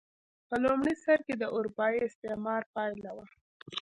په لومړي سر کې د اروپايي استعمار پایله وه.